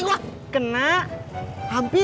emang nggak jadi